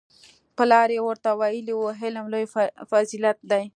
پلار یې ورته ویلي وو علم لوی فضیلت دی